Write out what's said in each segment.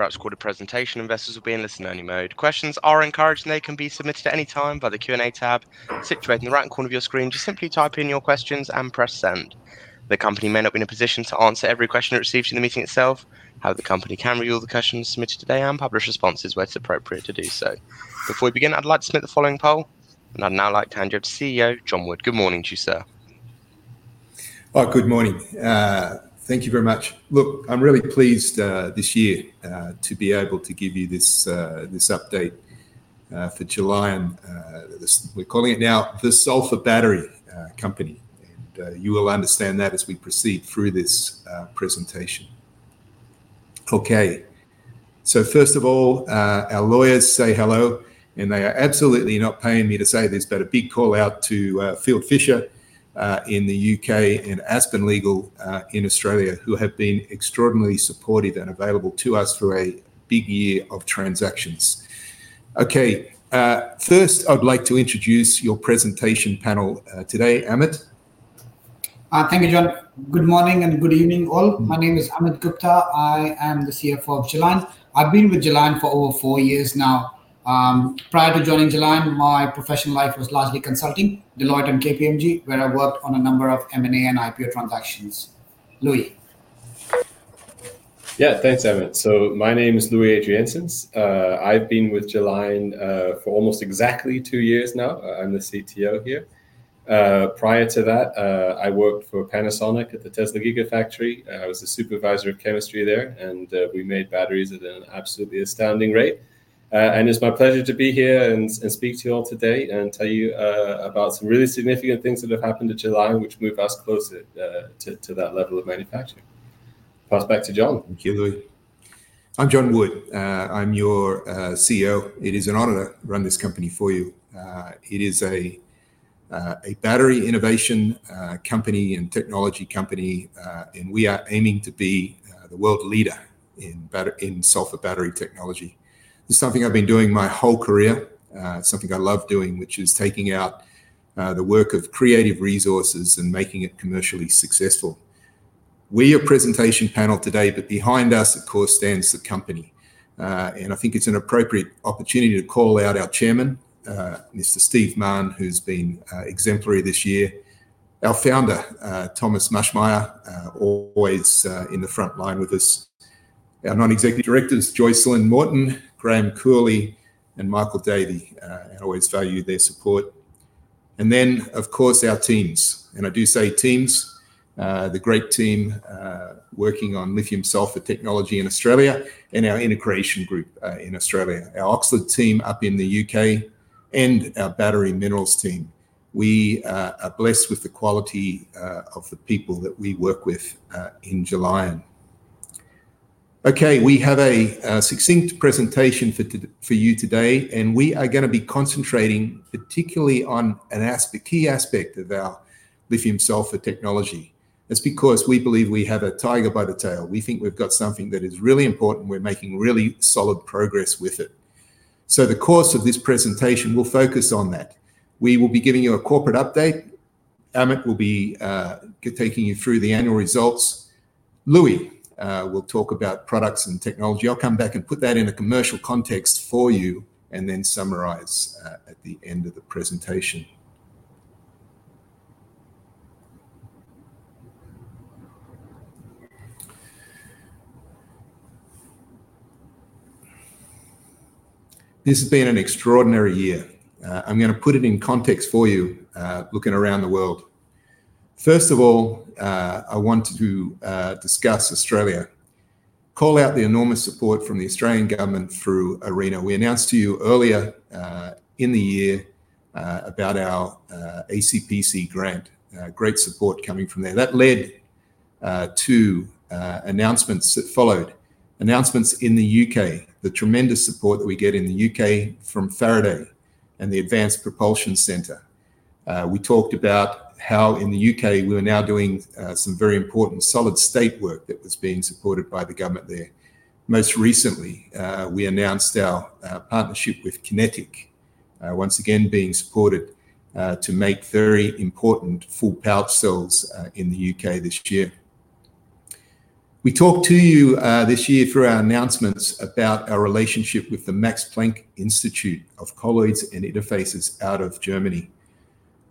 Throughout this recorded presentation, investors will be in listen-only mode. Questions are encouraged, and they can be submitted at any time via the Q&A tab situated in the right corner of your screen. Just simply type in your questions and press send. The company may not be in a position to answer every question it receives in the meeting itself, however the company can review all the questions submitted today and publish responses where it is appropriate to do so. Before we begin, I would like to submit the following poll, and I would now like to hand you over to CEO John Wood. Good morning to you, sir. Good morning. Thank you very much. Look, I'm really pleased this year to be able to give you this Update for Gelion. We're calling it now the Sulphur Battery Company. You will understand that as we proceed through this Presentation. First of all, our lawyers say hello, and they are absolutely not paying me to say this, but a big call out to Phil Fisher in the U.K. and Aspen Legal in Australia, who have been extraordinarily supportive and available to us for a big year of transactions. First, I'd like to introduce your Presentation Panel today, Amit. Thank you, John. Good morning and good evening, all. My name is Amit Gupta. I am the CFO of Gelion. I've been with Gelion for over four years now. Prior to joining Gelion, my professional life was largely consulting, Deloitte and KPMG, where I worked on a number of M&A and IPO Transactions. Louis. Yeah, thanks, Amit. My name is Louis Adriaenssens. I've been with Gelion for almost exactly two years now. I'm the CTO here. Prior to that, I worked for Panasonic at the Tesla GigaFactory. I was a Supervisor of Chemistry there, and we made batteries at an absolutely astounding rate. It's my pleasure to be here and speak to you all today and tell you about some really significant things that have happened at Gelion, which move us closer to that level of Manufacturing. Pass back to John. Thank you, Louis. I'm John Wood. I'm your CEO. It is an honor to run this company for you. It is a Battery Innovation Company and Technology Company, and we are aiming to be the World Leader in Sulphur Battery Technology. This is something I've been doing my whole career, something I love doing, which is taking out the work of Creative Resources and making it Commercially Successful. We are Presentation Panel Today, but behind us, of course, stands the company. I think it's an appropriate opportunity to call out our Chairman, Mr. Steve Mahon, who's been exemplary this year, our founder, Thomas Maschmeyer, always in the front line with us, our non-executive directors, Joycelyn Morton, Graham Cooley, and Michael Davie, and always value their support. Of course, our teams. I do say teams, the great team working on Lithium-Sulfur Technology in Australia and our Integration Group in Australia, our Oxford Team up in the U.K., and our Battery Minerals Team. We are blessed with the quality of the people that we work with in Gelion. We have a Succinct Presentation for you today, and we are going to be concentrating particularly on a Key Aspect of Our Lithium-Sulfur Technology. That is because we believe we have a Tiger by the Tail. We think we have got something that is really important. We are making really Solid Progress with it. The course of this presentation will focus on that. We will be giving you a Corporate Update. Amit will be taking you through the Annual Results. Louis will talk about Products and Technology. I'll come back and put that in a Commercial Context for you and then summarize at the End of the Presentation. This has been an Extraordinary Year. I'm going to put it in context for you, looking around the world. First of all, I want to discuss Australia. Call out the enormous support from the Australian Government through ARENA. We announced to you earlier in the year about our ACPC Grant. Great support coming from there. That led to announcements that followed. Announcements in the U.K., the tremendous support that we get in the U.K. from Faraday and the Advanced Propulsion Centre. We talked about how in the U.K. we were now doing some very important Solid State Work that was being supported by the Government there. Most recently, we announced our Partnership with Kinetic, once again being supported to make very important Full-Powered Cells in the U.K. this year. We talked to you this year through our Announcements about our Relationship with the Max Planck Institute of Colloids and Interfaces out of Germany,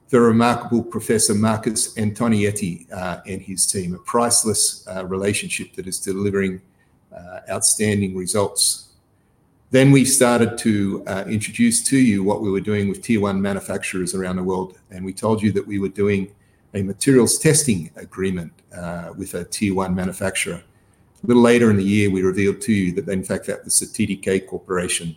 the remarkable Professor Markus Antonietti and his team, a Priceless Relationship that is delivering Outstanding Results. We started to introduce to you what we were doing with Tier One Manufacturers around the world, and we told you that we were doing a Materials Testing Agreement with a Tier One Manufacturer. A little later in the year, we revealed to you that they in fact are the TDK Corporation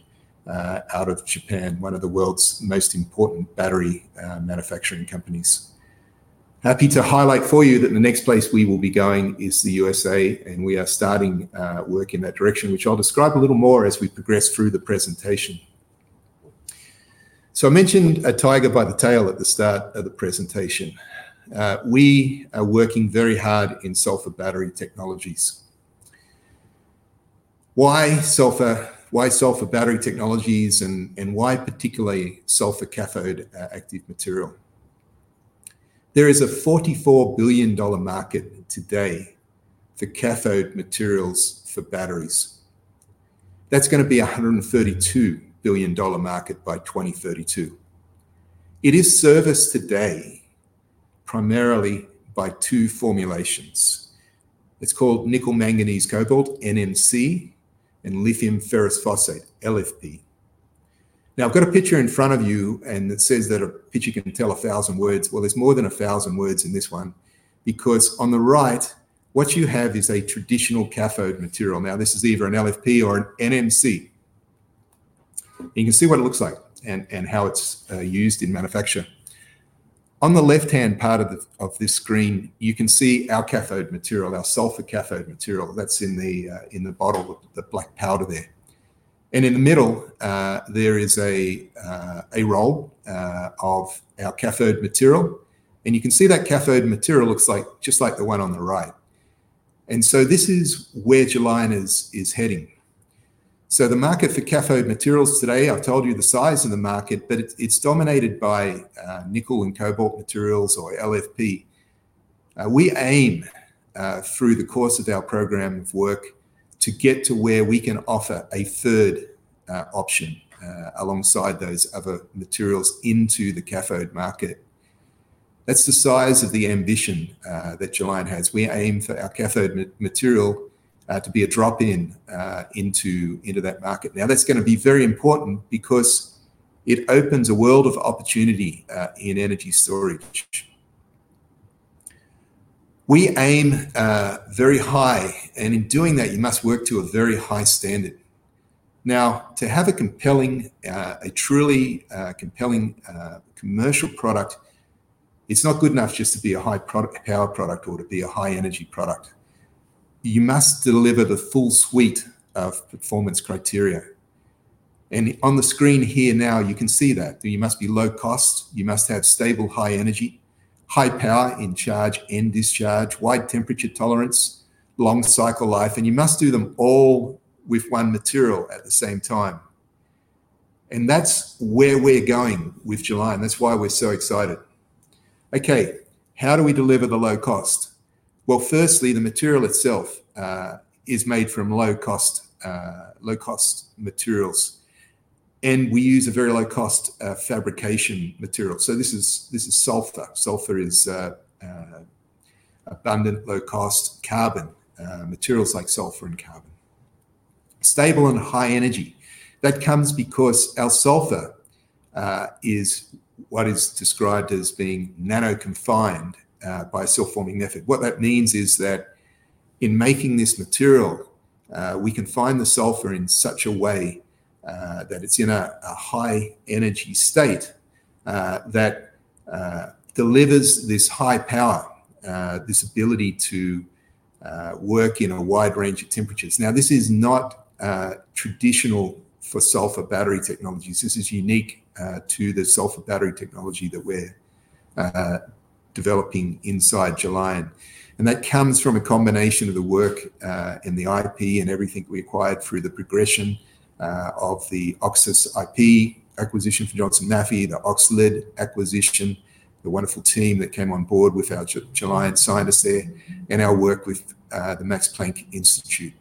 out of Japan, one of the world's most important Battery Manufacturing Companies. Happy to highlight for you that the next place we will be going is the USA, and we are starting work in that direction, which I'll describe a little more as we progress through the Presentation. I mentioned a Tiger by the Tail at the start of the Presentation. We are working very hard in Sulphur Battery Technologies. Why Sulphur? Why Sulphur Battery Technologies and why particularly Sulphur Cathode Active Material? There is a $44 billion Market today for Cathode Materials for Batteries. That's going to be a $132 billion Market by 2032. It is serviced today primarily by two Formulations. It's called Nickel Manganese Cobalt, NMC, and Lithium Ferrous Phosphate, LFP. Now, I've got a picture in front of you, and it says that a picture can tell a thousand words. There are more than a thousand words in this one because on the right, what you have is a Traditional Cathode Material. This is either an LFP or an NMC. You can see what it looks like and how it's used in Manufacture. On the left-hand part of this screen, you can see our Cathode Material, our Sulphur Cathode Material that's in the bottle of the Black Powder there. In the middle, there is a Roll of our Cathode Material. You can see that Cathode Material looks just like the one on the right. This is where Gelion is heading. The Market for Cathode Materials today, I've told you the size of the Market, but it's dominated by Nickel and Cobalt Materials or LFP. We aim through the course of our program of work to get to where we can offer a third option alongside those other materials into the Cathode Market. That's the size of the Ambition that Gelion has. We aim for our Cathode Material to be a Drop-in into that Market. Now, that's going to be very important because it opens a world of opportunity in Energy Storage. We aim very high, and in doing that, you must work to a Very High Standard. To have a truly compelling Commercial Product, it's not good enough just to be a High-Power Product or to be a High-Energy Product. You must deliver the Full Suite of Performance Criteria. On the screen here now, you can see that. You must be low cost. You must have Stable, High Energy, High Power in Charge and Discharge, Wide Temperature Tolerance, Long Cycle Life, and you must do them all with one material at the same time. That's where we're going with Gelion. That's why we're so excited. Okay, how do we deliver the low cost? Firstly, the material itself is made from Low-Cost Materials, and we use a very Low-Cost Fabrication Material. This is Sulphur. Sulphur is abundant, Low-Cost Carbon, materials like Sulphur and Carbon. Stable and High Energy. That comes because our Sulphur is what is described as being Nano-Confined by a Silver-Forming Method. What that means is that in making this material, we can find the Sulphur in such a way that it's in a High-Energy State that delivers this High Power, this ability to work in a wide range of temperatures. This is not traditional for sulphur battery technologies. This is unique to the Sulphur Battery Technology that we're developing inside Gelion. That comes from a combination of the work and the IP and everything that we acquired through the progression of the Oxus IP Acquisition from Johnson Matthey, the OxLED acquisition, the Wonderful Team that came on board with our Gelion Scientists there, and our Work with the Max Planck Institute.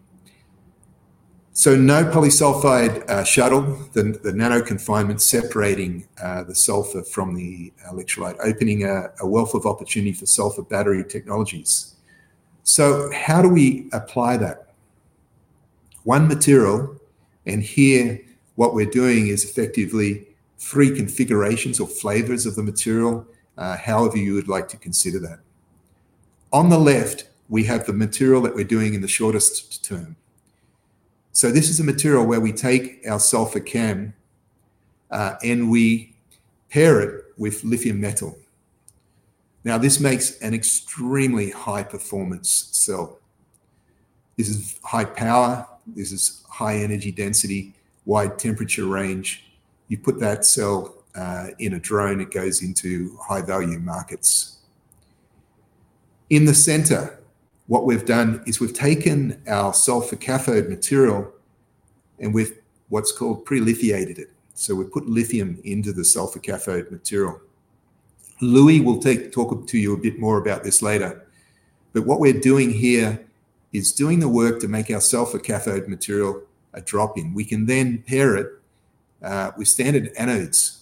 No Polysulphide Shuttle, the Nano-CEnfinement separating the Sulphur from the electrolyte, opening a wealth of opportunity for Sulphur Battery Technologies. How do we apply that? One Material, and here what we're doing is effectively three Configurations or Flavors of the Material, however you would like to consider that. On the left, we have the Material that we're doing in the shortest term. This is a material where we take our Sulphur Can and we pair it with Lithium Metal. Now, this makes an Extremely High-Performance Cell. This is High Power. This is High Energy Density, wide Temperature Range. You put that Cell in a Drone, it goes into High-Value Markets. In the center, what we've done is we've taken our Sulphur Cathode Material and we've what's called Prelithiated it. We put Lithium into the Sulphur Cathode Material. Louis will talk to you a bit more about this later. What we're doing here is doing the work to make our Sulphur Cathode Material a Drop-In. We can then pair it with Standard Anodes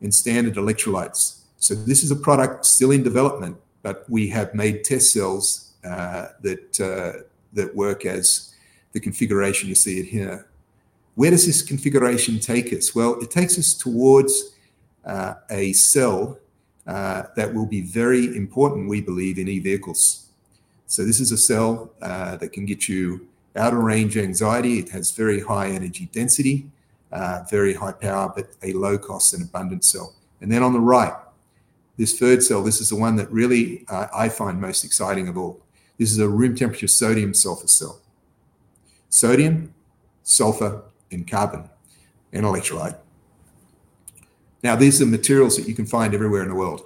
and Standard Electrolytes. This is a Product still in Development, but we have made Test Cells that work as the Configuration you see it here. Where does this Configuration take us? It takes us towards a cell that will be very important, we believe, in EVehicles. This is a Cell that can get you out of Range Anxiety. It has very High Energy Density, very High Power, but a Low-Cost and Abundant Cell. On the right, this third Cell, this is the one that really I find most exciting of all. This is a Room Temperature Sodium Sulphur Cell. Sodium, Sulphur, and Carbon, and Electrolyte. Now, these are Materials that you can find everywhere in the world.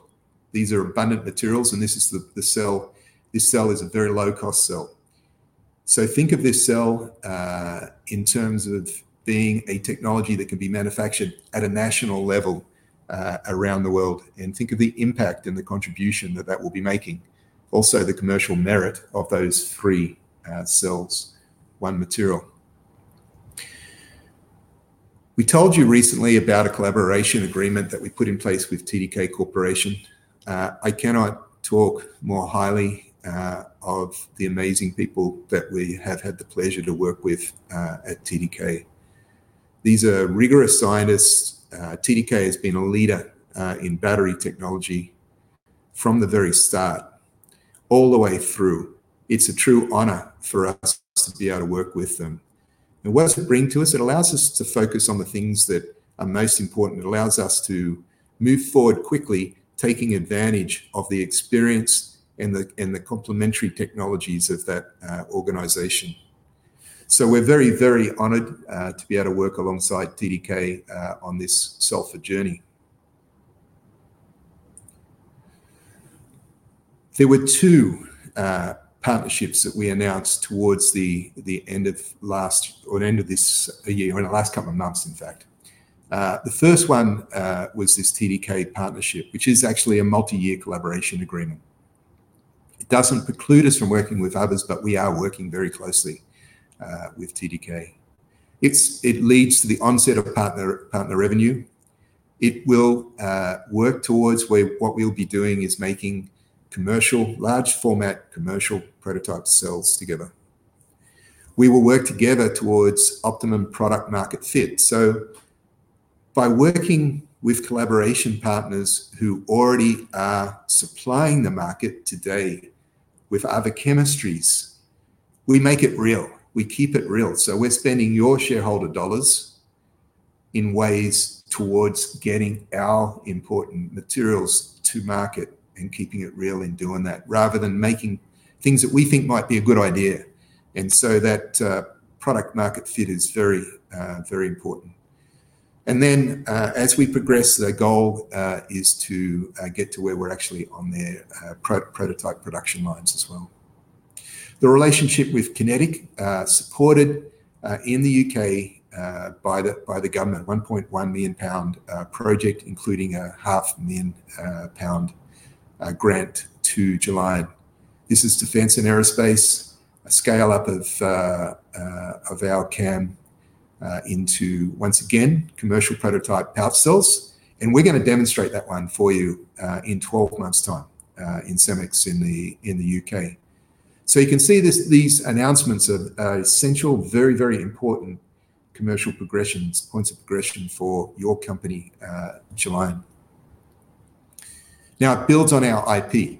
These are Abundant Materials, and this is the cell. This cell is a very Low-Cost Cell. Think of this Cell in terms of being a Technology that can be manufactured at a National Level around the world, and think of the Impact and the Contribution that that will be making. Also, the Commercial Merit of those three Cells, One Material. We told you recently about a Collaboration Agreement that we put in place with TDK Corporation. I cannot talk more highly of the Amazing People that we have had the pleasure to work with at TDK. These are Rigorous Scientists. TDK has been a Lleader in Battery Technology from the very start all the way through. It is a true honor for us to be able to work with them. What does it bring to us? It allows us to focus on the things that are Most Important. It allows us to move forward quickly, taking advantage of the Experience and the Complementary Technologies of that Organization. We are very, very honored to be able to work alongside TDK on this Sulphur Journey. There were two partnerships that we announced towards the end of last or the end of this year or in the last couple of months, in fact. The first one was this TDK Partnership, which is actually a Multi-Year Collaboration Agreement. It does not preclude us from working with others, but we are working very closely with TDK. It leads to the onset of partner revenue. It will work towards where what we will be doing is making Commercial, Large-Format Commercial Prototype Cells together. We will work together towards Optimum Product-Market Fit. By working with Collaboration Partners who already are supplying the Market today with other Chemistries, we make it Real. We keep it Real. We are spending your Shareholder Dollars in ways towards getting our Important Materials to Market and keeping it real in doing that rather than making things that we think might be a good idea. That Product-Market fit is very, very important. As we progress, the goal is to get to where we are actually on the Prototype Production Lines as well. The Relationship with Kinetic, supported in the U.K. by the Government, 1.1 million pound Project, including a 500,000 pound Grant to Gelion. This is Defense and Aerospace, a scale-up of our can into, once again, Commercial Prototype Power Cells. We are going to demonstrate that one for you in 12 months' Time in Cemex in the U.K. You can see these Announcements of Essential, very, very important Commercial Progressions, Points of Progression for your company, Gelion. It builds on our IP.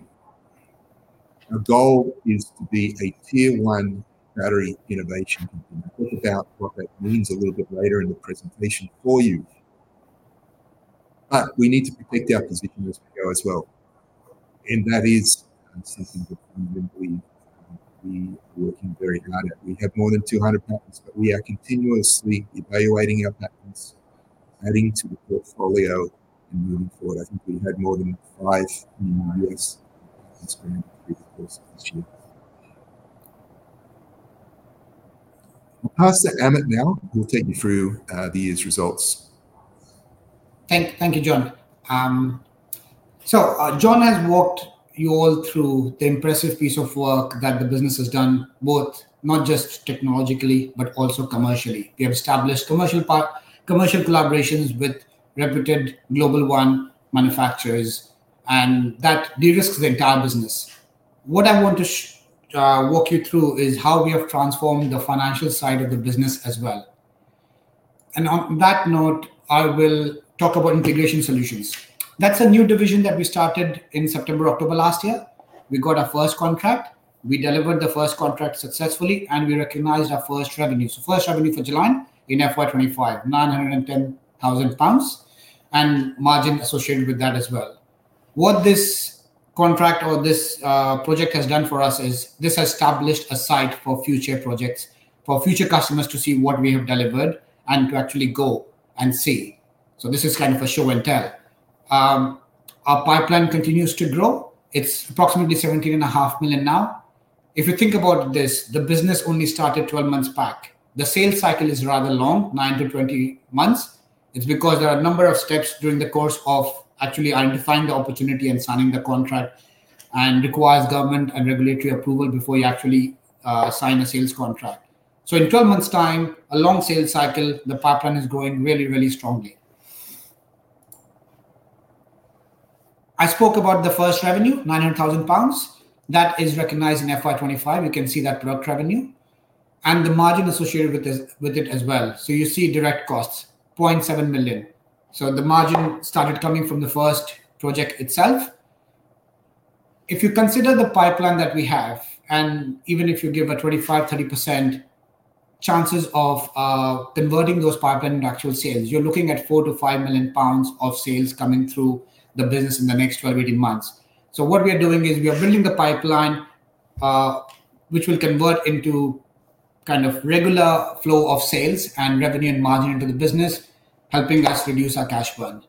Our goal is to be a Tier One Battery Innovation Company. I will talk about what that means a little bit later in the Presentation for you. We need to protect our position as we go as well. That is something that we are working very hard at. We have more than 200 Patents, but we are continuously evaluating our Patents, adding to the portfolio and moving forward. I think we had more than five in the U.S. Experiment through the course of this year. I will pass to Amit now. He will take you through these results. Thank you, John. John has walked you all through the impressive piece of work that the business has done, both not just technologically, but also commercially. We have established Commercial Collaborations with Reputed Global Tier One Manufacturers, and that De-Risks the entire business. What I want to walk you through is how we have transformed the Financial Side of the business as well. On that note, I will talk about Integration Solutions. That is a New Division that we started in September, October last year. We got our first contract. We delivered the first contract successfully, and we recognized our First Revenue. First Revenue for Gelion in FY2025, 910,000 pounds and Margin associated with that as well. What this contract or this project has done for us is this has established a site for future projects, for future customers to see what we have delivered and to actually go and see. This is kind of a Show and Tell. Our Pipeline continues to grow. It is approximately 17.5 million now. If you think about this, the business only started 12 months back. The Sales Cycle is rather long, 9-20 months. It's because there are a number of steps during the course of actually identifying the opportunity and signing the contract and requires Government and Regulatory Approval before you actually sign a Sales Contract. In 12 Months' Time, a Long Sales cycle, the Pipeline is growing really, really strongly. I spoke about the First Revenue, 900,000 pounds. That is recognized in FY2025. You can see that Product Revenue and the Margin associated with it as well. You see Direct Costs, 700,000. The Margin started coming from the First Project itself. If you consider the Pipeline that we have, and even if you give a 25%-30% chances of converting those Pipeline into Actual Sales, you're looking at 4 million-5 million pounds of Sales coming through the Business in the next 12-18 Months. What we are doing is we are building the Pipeline, which will convert into kind of Regular Flow of Sales and Revenue and Margin into the business, helping us reduce our Cash Burn.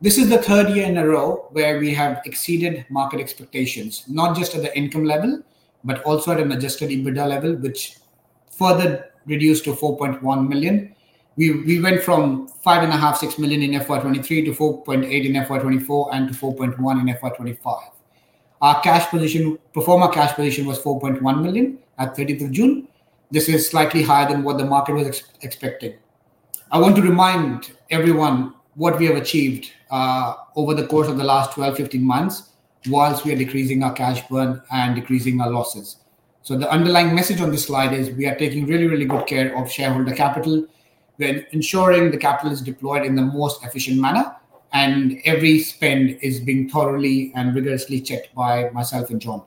This is the third year in a row where we have exceeded Market Expectations, not just at the Income Level, but also at a majestic EBITDA Level, which further reduced to 4.1 million. We went from 5.5 million, 6 million in Fiscal Year 2023 to 4.8 million in Fiscal Year 2024 and to 4.1 million in Fiscal Year 2025. Our Profoma Cash Position was 4.1 million at 30th of June. This is slightly higher than what the Market was expecting. I want to remind everyone what we have achieved over the course of the last 12-15 Months whilst we are decreasing our Cash Burn and decreasing our Losses. The underlying message on this slide is we are taking really, really good care of Shareholder Capital. We're ensuring the capital is deployed in the most efficient manner, and every spend is being thoroughly and rigorously checked by myself and John.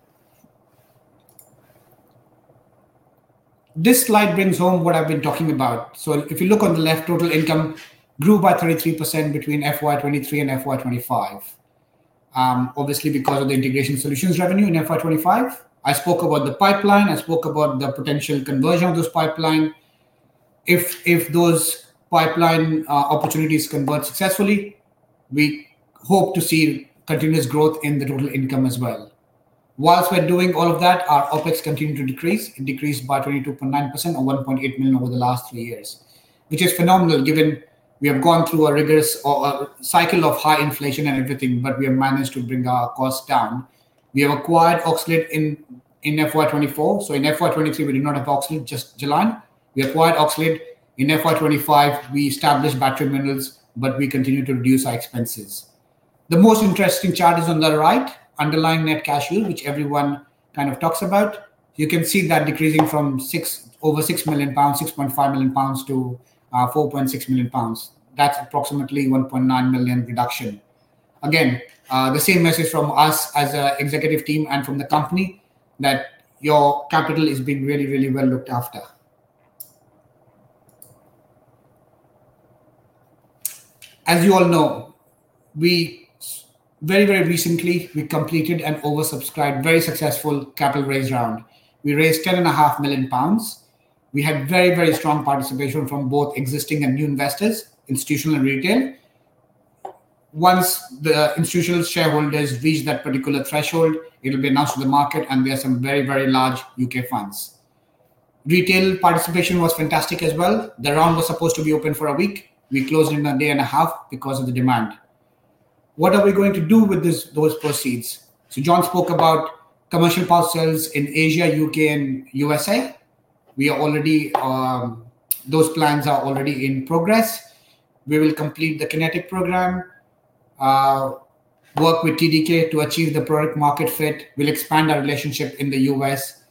This slide brings home what I've been talking about. If you look on the left, total income grew by 33% between FY2023 and FY2025, obviously because of the Integration Solutions Revenue in FY2025. I spoke about the Pipeline. I spoke about the Potential Conversion of those Pipeline. If those Pipeline Opportunities convert successfully, we hope to see Continuous Growth in the Total Income as well. Whilst we're doing all of that, our OpEx continue to decrease. It decreased by 22.9% or 1.8 million over the last three years, which is Phenomenal given we have gone through a Rigorous Cycle of High Inflation and everything, but we have managed to bring our Costs down. We have acquired OxLED in Fiscal Year 2024. In Fiscal Year 2023, we did not have OxLED, just Ge; ion. We acquired OxLED. In Fiscal Year 2025, we established Battery Minerals, but we continue to reduce our Expenses. The most interesting chart is on the right, underlying Net Cash yield, which everyone kind of talks about. You can see that decreasing from over 6 million pounds, 6.5 million pounds to 4.6 million pounds. That is approximately 1.9 million Reduction. Again, the same message from us as an Executive Team and from the company that your Capital is being really, really well looked after. As you all know, very, very recently, we completed an Oversubscribed, Very Successful Capital Raise Round. We raised 10.5 million pounds. We had very, very Strong Participation from both Existing and New Investors, Institutional and Retail. Once the Institutional Shareholders reach that particular Threshold, it will be announced to the market, and there are some very, very large U.K. Funds. Retail Participation was fantastic as well. The round was supposed to be open for a week. We closed in a day and a half because of the demand. What are we going to do with those proceeds? John spoke about Commercial Power Cells in Asia, U.K., and USA. Those plans are already in progress. We will complete the Kinetic Program, work with TDK to achieve the Product-Market Fit. We'll expand our relationship in the U.S.,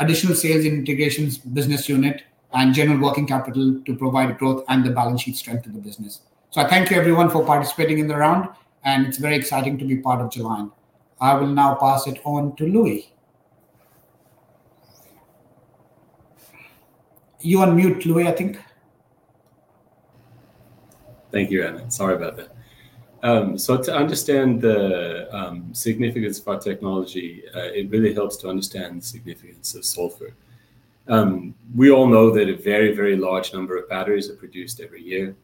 Additional sales and Integrations Business Unit, and general working capital to provide Growth and the Balance Sheet Strength of the business. I thank you, everyone, for participating in the round, and it's very exciting to be part of Gelion. I will now pass it on to Louis. You are on mute, Louis, I think. Thank you, Amit. Sorry about that. To understand the Significance of our Technology, it really helps to understand the significance of Sulphur. We all know that a very, very Large Number of Batteries are produced every year,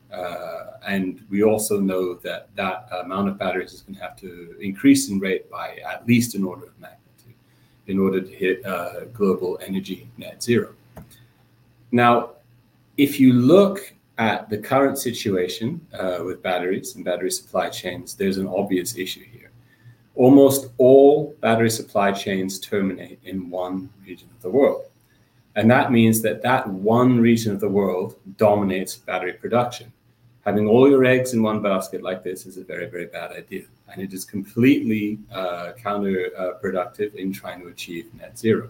and we also know that that Amount of Batteries is going to have to increase in rate by at least an order of magnitude in order to hit Global Energy Net Zero. Now, if you look at the Current Situation with Batteries and Battery Supply Chains, there's an obvious issue here. Almost all Battery Supply Chains terminate in one Region of the World. That means that that one Region of the World dominates Battery Production. Having all your eggs in one basket like this is a very, very bad idea, and it is completely Counterproductive in trying to achieve Net Zero.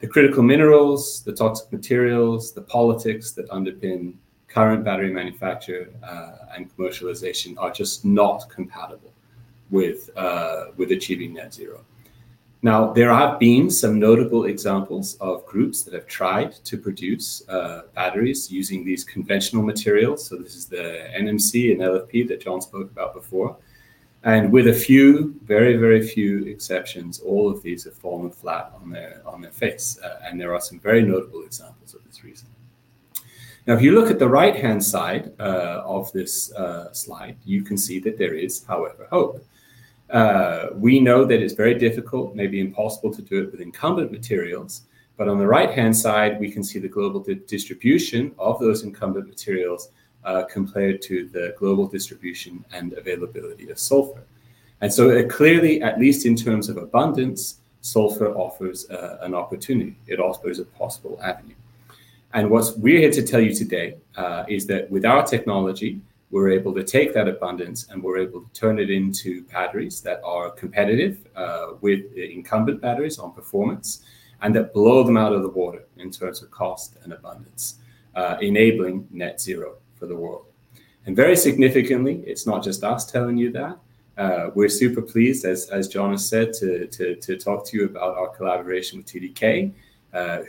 The Critical Minerals, the Toxic Materials, the Politics that underpin Current Battery Manufacture and Commercialization are just not compatible with achieving Net Zero. There have been some Notable Examples of Groups that have tried to produce batteries using these Conventional Materials. This is the NMC and LFP that John spoke about before. With a few, very, very few exceptions, all of these have fallen flat on their face. There are some very Notable Examples of this Reason. If you look at the right-hand side of this slide, you can see that there is, however, hope. We know that it's very difficult, maybe impossible to do it with Incumbent Materials, but on the right-hand side, we can see the Global Distribution of those Incumbent Materials compared to the Global Distribution and Availability of S ulphur. It clearly, at least in terms of Abundance, Sulphur offers an Opportunity. It also is a Possible Avenue. What we are here to tell you today is that with our Technology, we are able to take that aAundance and we are able to turn it into Batteries that are Competitive with Incumbent Batteries on Performance and that blow them out of the water in terms of Cost and Abundance, enabling net zero for the world. Very significantly, it is not just us telling you that. We are super pleased, as John has said, to talk to you about our Collaboration with TDK,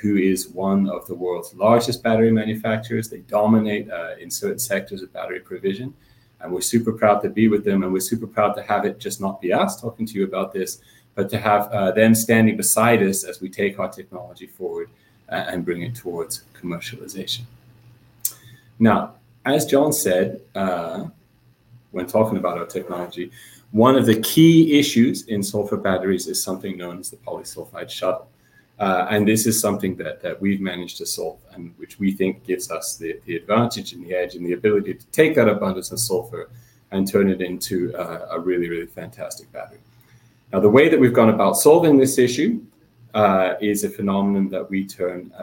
who is one of the World's Largest Battery Manufacturers. They dominate in certain Sectors of Battery Provision, and we are super proud to be with them. We're super proud to have it just not be us talking to you about this, but to have them standing beside us as we take our Technology forward and bring it towards Commercialization. Now, as John said, when talking about our Technology, one of the Key Issues in Sulphur Batteries is something known as the Polysulphide Shuttle. This is something that we've managed to solve and which we think gives us the advantage and the edge and the ability to take that Abundance of Sulphur and turn it into a really, really Fantastic Battery. The way that we've gone about solving this issue is a Phenomenon that we term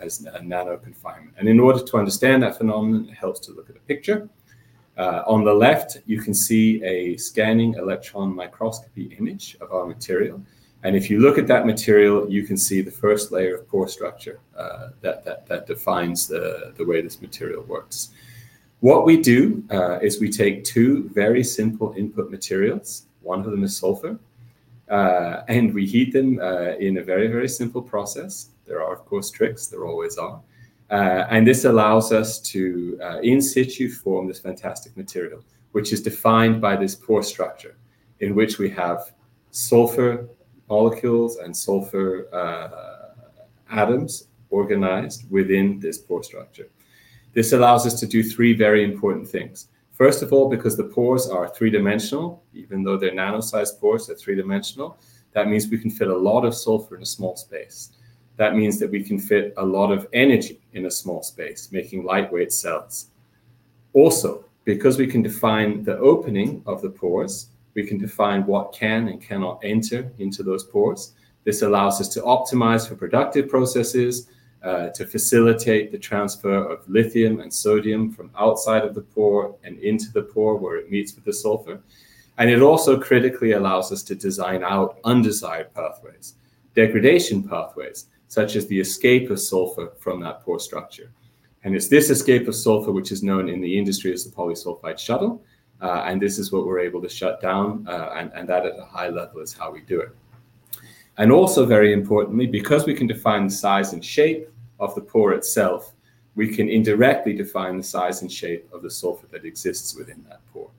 as Nano-Confinement. In order to understand that Phenomenon, it helps to look at a picture. On the left, you can see a Scanning Electron Microscopy Image of our Material. If you look at that material, you can see the first layer of core structure that defines the way this material works. What we do is we take two very simple input materials. One of them is Sulphur, and we heat them in a very, very simple process. There are, of course, tricks. There always are. This allows us to in situ form this fantastic material, which is defined by this Pore Sstructure in which we have Sulphur Molecules and Sulphur Atoms organized within this Pore Structure. This allows us to do three very important things. First of all, because the pores are Three-Dimensional, even though they are Nano-Sized Pores, they are Three-Dimensional, that means we can fit a lot of Sulphur in a Small Space. That means that we can fit a lot of energy in a small space, making Lightweight Cells. Also, because we can define the opening of the Pores, we can define what can and cannot enter into those Pores. This allows us to optimize for productive processes, to facilitate the transfer of Lithium and Sodium from outside of the Pore and into the Pore where it meets with the Sulphur. It also critically allows us to design out undesired Pathways, Degradation Pathways, such as the escape of Sulphur from that Pore Structure. It is this escape of Sulphur which is known in the industry as the Polysulphide Shuttle. This is what we're able to shut down. That at a high level is how we do it. Also, very importantly, because we can define the size and shape of the Pore itself, we can indirectly define the size and shape of the Sulphur that exists within that Pore.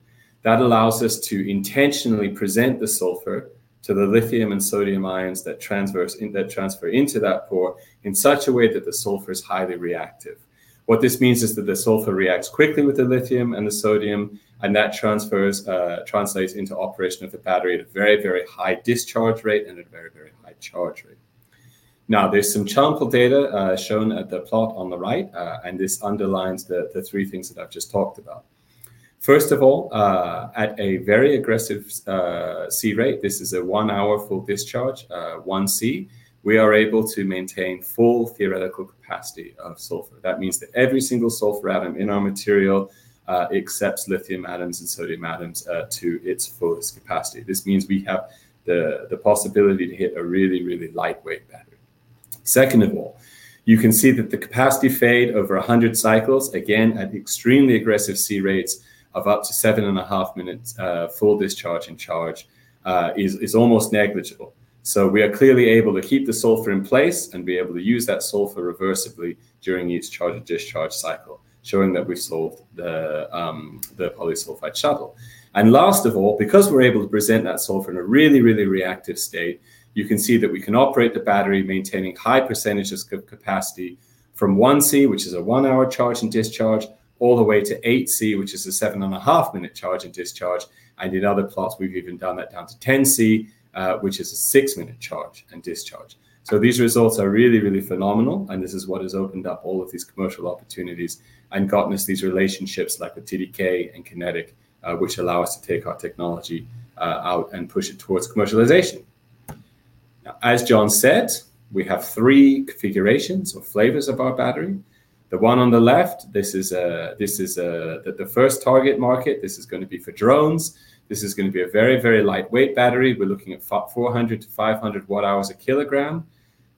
That allows us to intentionally present the Sulphur to the Lithium and Sodium Ions that transfer into that Pore in such a way that the Sulphur is Highly Reactive. What this means is that the Sulphur reacts quickly with the Lithium and the Sodium, and that translates into Operation of the Battery at a very, very High Discharge Rate and a very, very High Charge Rate. Now, there is some sample data shown at the plot on the right, and this underlines the three things that I have just talked about. First of all, at a Very Aggressive C Rate, this is a One-Hour Full Discharge, One C, we are able to maintain Full Theoretical Capacity of Sulphur. That means that every single Sulphur Atom in our material accepts Lithium Atoms and Sodium Atoms to its Fullest Capacity. This means we have the possibility to hit a really, really Lightweight Battery. Second of all, you can see that the Capacity Fade over 100 Cycles, again, at Extremely Aggressive C rates of up to seven and a half minutes full discharge and charge, is almost negligible. We are clearly able to keep the Sulphur in place and be able to use that Sulphur reversibly during each Charge and Discharge cCycle, showing that we've solved the Polysulphide Shuttle. Last of all, because we're able to present that Sulphur in a really, really Reactive State, you can see that we can operate the battery maintaining High Percentages of Capacity from 1C, which is a One-Hour Charge and Discharge, all the way to 8C, which is a Seven and a Half Minute Charge and Discharge. In other plots, we've even done that down to 10C, which is a Six-Minute Charge and Discharge. These results are really, really pPhenomenal. This is what has opened up all of these Commercial Opportunities and gotten us these relationships like with TDK and Kinetic, which allow us to take our Technology out and push it towards Commercialization. Now, as John said, we have Three Configurations or Flavors of Our Battery. The one on the left, this is the first target market. This is going to be for Drones. This is going to be a very, Very Lightweight Battery. We're looking at 400-500 watt-hours a kilogram.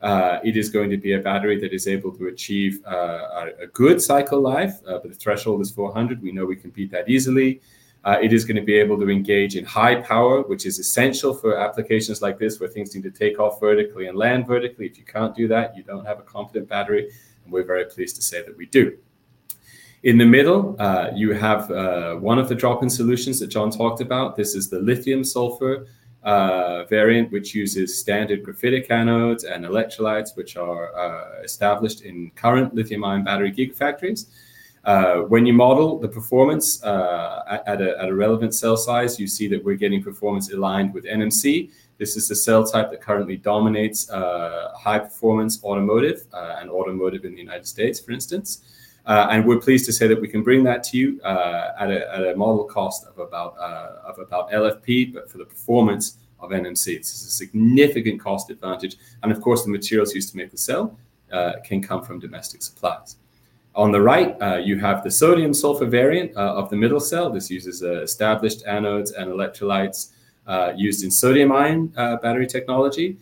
It is going to be a battery that is able to achieve a good cycle life. The threshold is 400. We know we can beat that easily. It is going to be able to engage in high power, which is essential for applications like this where things need to take off vertically and land vertically. If you can't do that, you don't have a competent battery. We're very pleased to say that we do. In the middle, you have one of the Drop-In Solutions that John talked about. This is the Lithium-Sulphur Variant, which uses Standard Graphitic Anodes and Electrolytes, which are established in current Lithium-Ion Battery Gigafactories. When you model the performance at a relevant cell size, you see that we're getting performance aligned with NMC. This is the cell type that currently dominates high-performance automotive and automotive in the United States, for instance. We're pleased to say that we can bring that to you at a model cost of about LFP, but for the performance of NMC. This is a Significant Cost Advantage. Of course, the materials used to make the cell can come from Domestic Supplies. On the right, you have the Sodium-Sulphur Variant of the Middle Cell. This uses established Anodes and Electrolytes used in Sodium-Ion Battery Technology.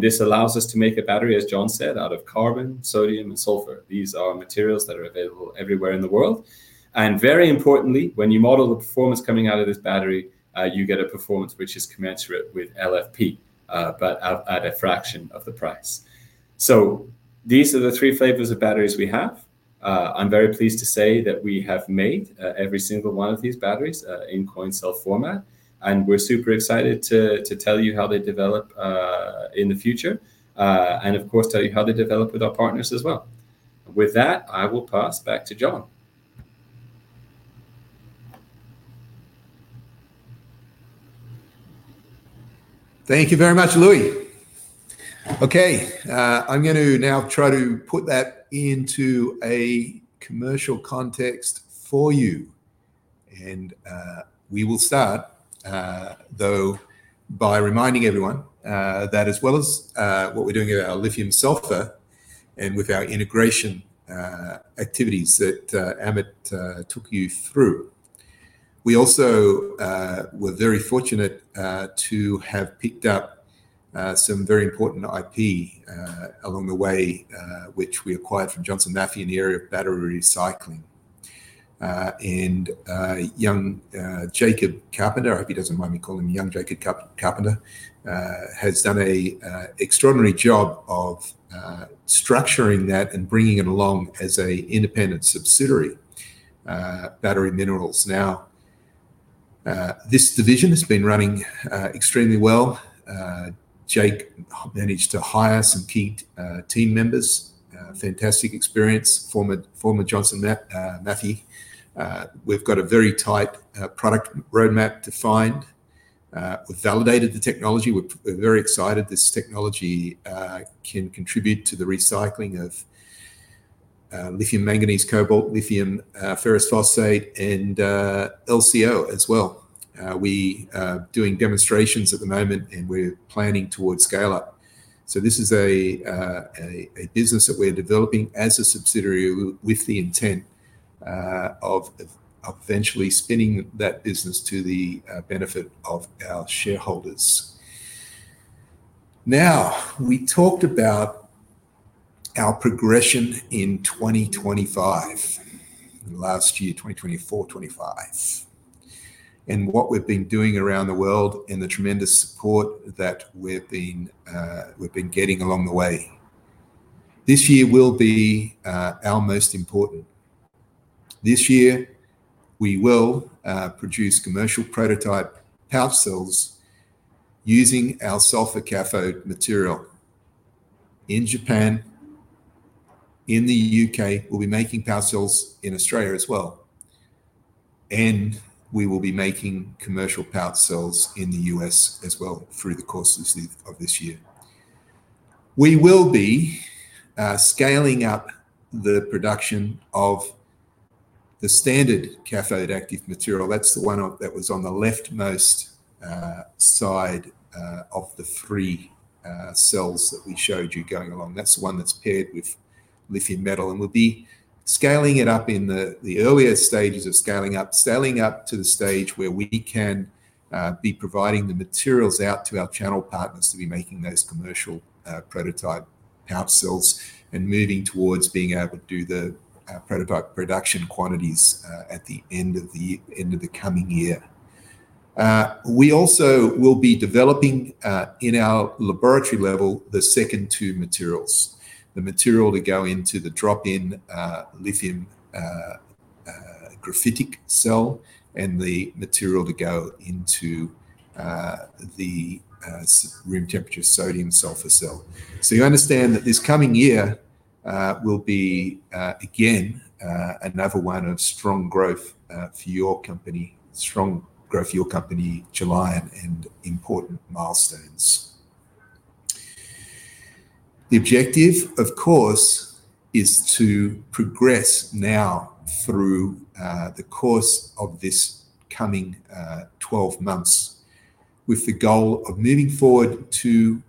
This allows us to make a Battery, as John said, out of Caron, Sodium, and Sulphur. These are materials that are available everywhere in the world. Very importantly, when you model the performance coming out of this battery, you get a performance which is commensurate with LFP, but at a fraction of the price. These are the Three Flavors of Batteries we have. I'm very pleased to say that we have made every single one of these batteries in Coin Cell Format. We're super excited to tell you how they develop in the future and, of course, tell you how they develop with our partners as well. With that, I will pass back to John. Thank you very much, Louis. Okay, I'm going to now try to put that into a Commercial Context for you. We will start, though, by reminding everyone that as well as what we're doing with our Lithium-Sulphur and with our Integration Activities that Amit took you through, we also were very fortunate to have picked up some very important IP along the way, which we acquired from Johnson Matthey in the area of Battery Recycling. Young Jacob Carpenter, I hope he doesn't mind me calling him young Jacob Carpenter, has done an extraordinary job of structuring that and bringing it along as an Independent Subsidiary, Battery Minerals. Now, this Division has been running extremely well. Jake managed to hire some key team members. Fantastic experience. Former Johnson Matthey. We've got a very tight product roadmap defined. We've validated the Technology. We're very excited this Technology can contribute to the Recycling of Lithium Manganese, Cobalt, Lithium Ferrous Phosphate, and LCO as well. We are doing demonstrations at the moment, and we're planning towards scale-up. This is a business that we're developing as a subsidiary with the intent of eventually spinning that business to the benefit of our Shareholders. We talked about our Progression in 2025, last year, 2024, 2025, and what we've been doing around the world and the tremendous support that we've been getting along the way. This year will be our most important. This year, we will produce Commercial Prototype Power Cells using our Sulphur-Cathode Material. In Japan, in the U.K., we'll be making Power Cells in Australia as well. We will be making Commercial Power Cells in the U.S. as well through the course of this year. We will be Scaling up the Production of the Standard Cathode-Active Material. That is the one that was on the leftmost side of the Three Cells that we showed you going along. That is the one that is paired with Lithium Metal. We will be scaling it up in the earlier stages of scaling up, scaling up to the stage where we can be providing the materials out to our Channel Partners to be making those Commercial Prototype Power Cells and moving towards being able to do the Product Production Quantities at the end of the coming year. We also will be developing in our Laboratory Level the second two materials, the material to go into the Drop-In Lithium Graphitic Cell and the material to go into the Room Temperature Sodium-Sulfur Cell. You understand that this coming year will be again another one of strong growth for your company, strong growth for your company, July, and important milestones. The objective, of course, is to progress now through the course of this coming 12 months with the goal of moving forward to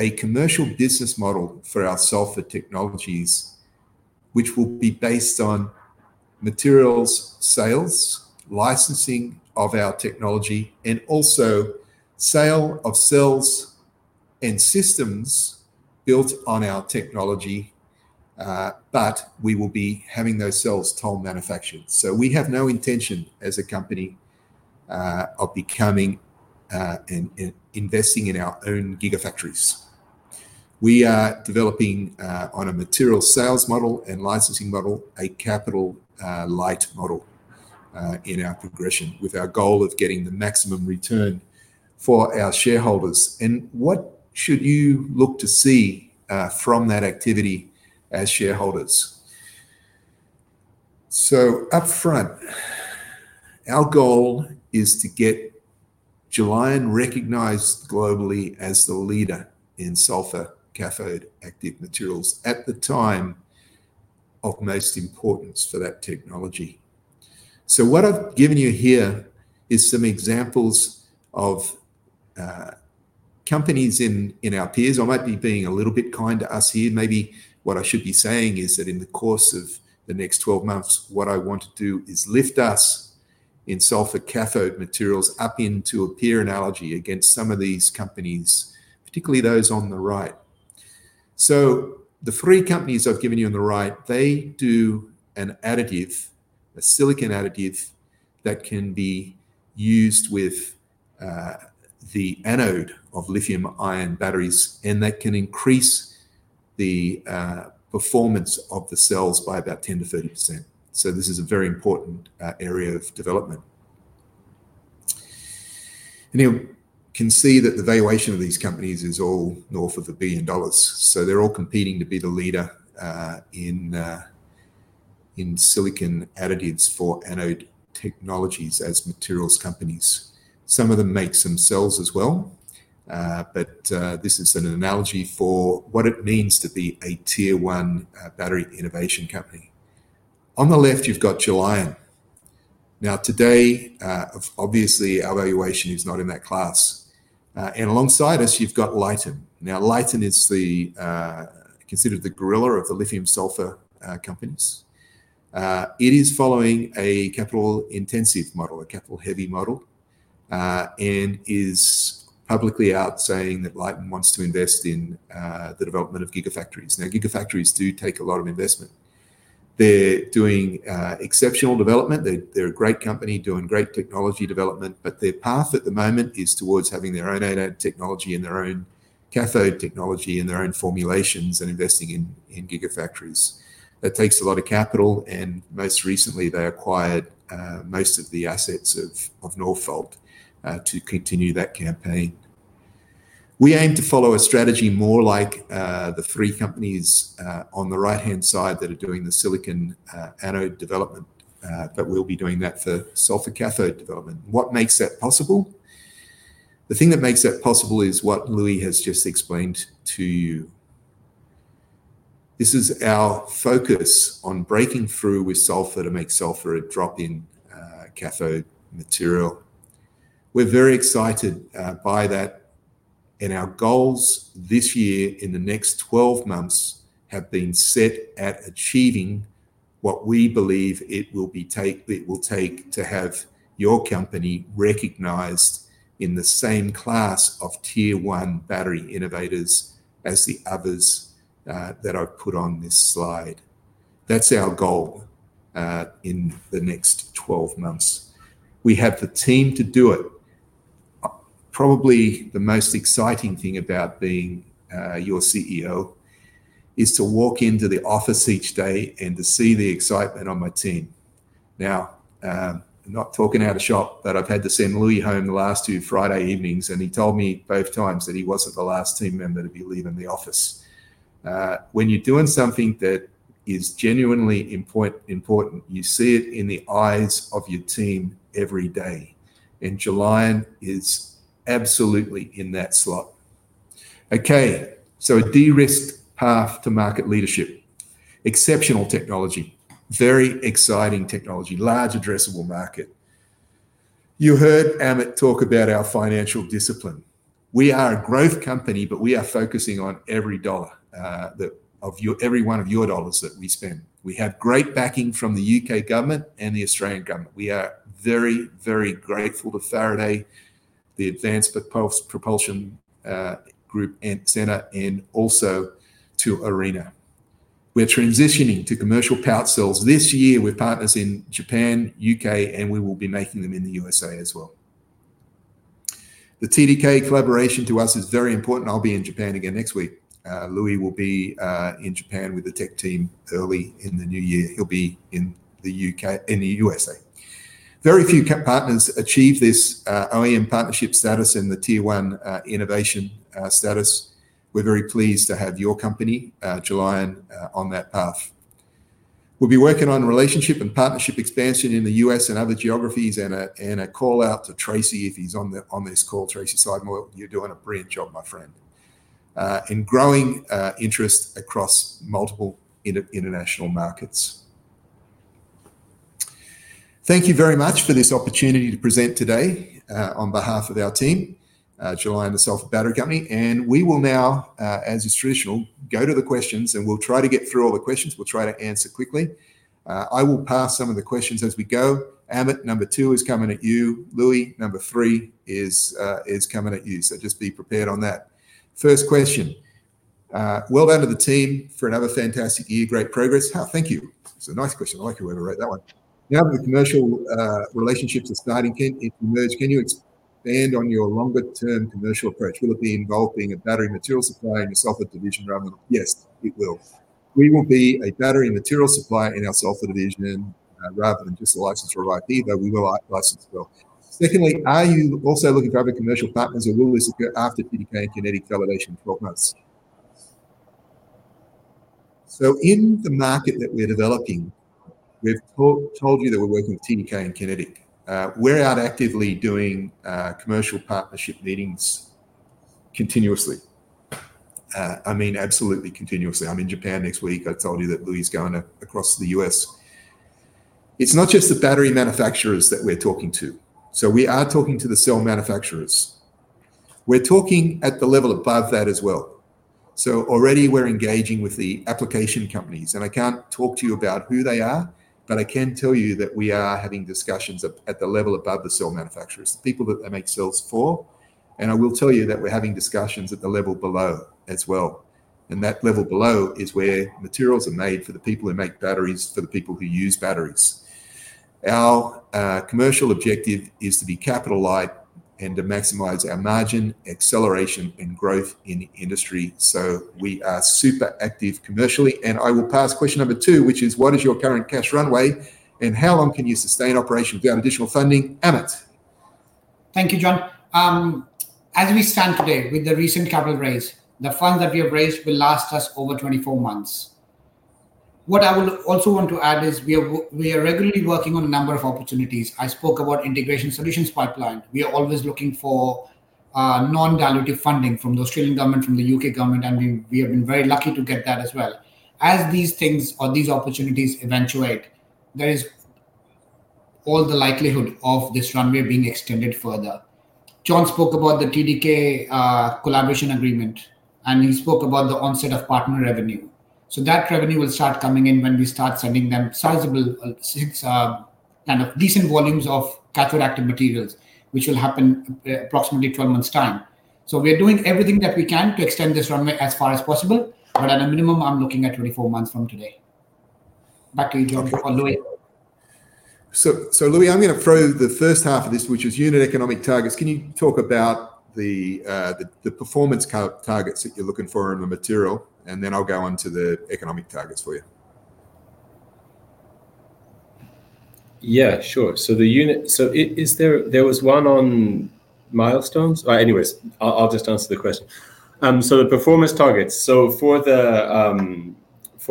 a Commercial Business Model for Our Sulphur Technologies, which will be based on Materials Sales, Licensing of our Technology, and also Sale of Cells and Systems Built on our Technology, but we will be having those Cells Toll Manufactured. We have no intention as a company of becoming and investing in our own Gigafactories. We are developing on a Material Sales Model and Licensing Model, a Capital Light Model in our Progression with our goal of getting the maximum return for our Shareholders. What should you look to see from that activity as Shareholders? Upfront, our Goal is to get Gelion recognized Globally as the Leader in Sulphur Cathode Active Materials at the time of most importance for that Technology. What I've given you here is some examples of companies in our peers. I might be being a little bit kind to us here. Maybe what I should be saying is that in the course of the next 12 months, what I want to do is lift us in Sulphur Cathode Materials up into a Peer Analogy against some of these companies, particularly those on the right. The three companies I've given you on the right, they do an additive, a Silicon Additive that can be used with the Anode of Lithium-ion Batteries, and that can increase the performance of the cells by about 10-30%. This is a Very Important Area of Development. You can see that the valuation of these Companies is all North of a Billion Dollars. They are all competing to be the Leader in Silicon Additives for Anode Technologies as Materials Companies. Some of them make some cells as well. This is an Analogy for what it means to be a Tier-One Battery Innovation Company. On the left, you have Gelion. Now, today, obviously, our Valuation is not in that class. Alongside us, you have Lyten. Lyten is considered the Gorilla of the Lithium-Sulphur Companies. It is following a Capital-Intensive Model, a Capital-Heavy Model, and is publicly out saying that Lyten wants to invest in the Development of Gigafactories. Gigafactories do take a lot of investment. They are doing exceptional development. They're a great company doing great Technology Development, but their path at the moment is towards having their own Anode Technology and their own Cathode Technology and their own Formulations and Investing in Gigafactories. That takes a lot of capital. Most recently, they acquired most of the Assets of Northvolt to continue that campaign. We aim to follow a strategy more like the three companies on the right-hand side that are doing the Silicon Anode Development, but we'll be doing that for Sulphur Cathode Development. What makes that possible? The thing that makes that possible is what Louis has just explained to you. This is our focus on breaking through with Sulphur to make Sulphur a Drop-In Cathode Material. We're very excited by that. Our goals this year in the next 12 months have been set at achieving what we believe it will take to have your company recognized in the same Class of Tier-One Battery Innovators as the others that I have put on this slide. That is our goal in the next 12 months. We have the team to do it. Probably the most exciting thing about being your CEO is to walk into the office each day and to see the excitement on my team. I am not talking out of shop, but I have had to send Louis home the last two Friday evenings, and he told me both times that he was not the last team member to be leaving the office. When you are doing something that is genuinely important, you see it in the eyes of your team every day. Julian is absolutely in that slot. Okay, so a De-Risk Path to Market Leadership. Exceptional Technology. Very exciting Technology. Large Addressable Market. You heard Amit talk about our financial discipline. We are a growth company, but we are focusing on every dollar of every one of your dollars that we spend. We have great backing from the U.K. Government and the Australian Government. We are very, very grateful to Faraday, the Advanced Propulsion Centre, and also to ARENA. We are transitioning to Commercial Power Cells this year with partners in Japan, U.K., and we will be making them in the USA as well. The TDK Collaboration to us is very important. I will be in Japan again next week. Louis will be in Japan with the Tech Team early in the new year. He will be in the USA. Very few Partners achieve this OEM Partnership Status and the Tier-One Innovation status. We're very pleased to have your company, Julian, on that path. We'll be working on relationship and partnership expansion in the U.S. and other geographies and a call out to Tracy if he's on this call. Tracy Skidmore, you're doing a brilliant job, my friend, in growing interest across multiple International Markets. Thank you very much for this opportunity to present today on behalf of our team, Julian and the Sulphur Battery Company. We will now, as is traditional, go to the questions, and we'll try to get through all the questions. We'll try to answer quickly. I will pass some of the questions as we go. Amit, number two is coming at you. Louis, number three is coming at you. Just be prepared on that. First question. Well done to the team for another fantastic year. Great progress. Thank you. It's a nice question. I like how you wrote that one. Now, the Commercial Relationships are starting to emerge. Can you expand on your Longer-Term Commercial Approach? Will it be involving a Battery Material Supply in your Sulphur Division rather than? Yes, it will. We will be a Battery Material Supplier in our Sulphur Division rather than just a licensed right here, though we will license as well. Secondly, are you also looking to have Commercial Partners or will this occur after TDK and Kinetic Validation in 12 months? In the market that we're developing, we've told you that we're working with TDK and Kinetic. We're out actively doing Commercial Partnership Meetings continuously. I mean, absolutely continuously. I'm in Japan next week. I told you that Louis is going across the U.S.. It's not just the Battery Manufacturers that we're talking to. We are talking to the Cell Manufacturers. We're talking at the level above that as well. Already, we're engaging with the application companies. I can't talk to you about who they are, but I can tell you that we are having discussions at the level above the Cell Manufacturers, the people that they make cells for. I will tell you that we're having discussions at the level below as well. That level below is where materials are made for the people who make batteries, for the people who use batteries. Our commercial objective is to be capital-light and to maximize our Margin, Acceleration, and Growth in industry. We are super active Commercially. I will pass question number two, which is, what is your current Cash Runway? How long can you sustain operation without additional funding? Amit. Thank you, John. As we stand today with the recent Capital Raise, the fund that we have raised will last us over 24 months. What I would also want to add is we are regularly working on a number of opportunities. I spoke about Integration Solutions Pipeline. We are always looking for Non-Dilutive Funding from the Australian Government, from the U.K. Government, and we have been very lucky to get that as well. As these things or these opportunities eventuate, there is all the likelihood of this runway being extended further. John spoke about the TDK Collaboration Agreement, and he spoke about the Onset of Partner Revenue. That revenue will start coming in when we start sending them sizable, kind of decent volumes of Cathode Active Materials, which will happen approximately 12 months' time. We're doing everything that we can to extend this runway as far as possible, but at a minimum, I'm looking at 24 months from today. Back to you, John, or Louis. Louis, I'm going to throw the first half of this, which is Unit Economic Targets. Can you talk about the Performance Targets that you're looking for in the material? Then I'll go on to the Economic Targets for you. Yeah, sure. There was one on milestones. Anyways, I'll just answer the question. The Performance Targets. For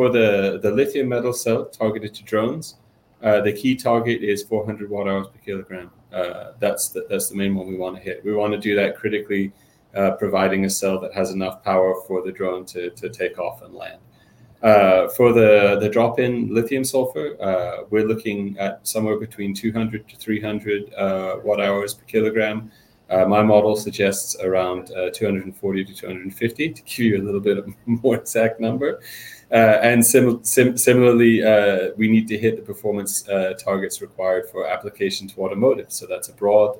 the Lithium Metal Cell targeted to Drones, the key target is 400 watt-hours per kilogram. That's the main one we want to hit. We want to do that critically, providing a cell that has enough power for the Drone to take off and land. For the Drop-In Lithium-Sulphur, we're looking at somewhere between 200-300 watt-hours per kilogram. My model suggests around 240-250 to give you a little bit more exact number. Similarly, we need to hit the Performance Targets required for Application to Automotive. That is a Broad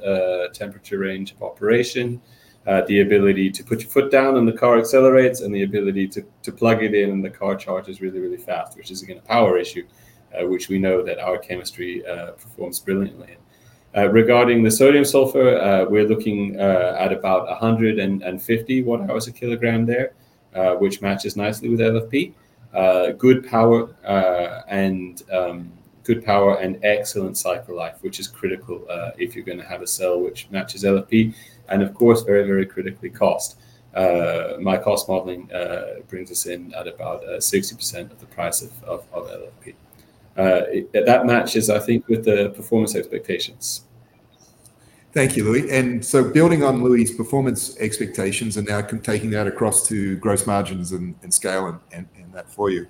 Temperature Range of Operation, the ability to put your foot down and the car accelerates, and the ability to plug it in and the car charges really, really fast, which is, again, a power issue, which we know that our Chemistry performs brilliantly. Regarding the Sodium-Sulphur, we're looking at about 150 watt-hours a kilogram there, which matches nicely with LFP. Good power and excellent Cycle Life, which is critical if you're going to have a Cell which matches LFP. Of course, very, very critically, cost. My cost modeling brings us in at about 60% of the price of LFP. That matches, I think, with the performance expectations. Thank you, Louis. Building on Louis's performance expectations and now taking that across to Gross Margins and Scale and that for you.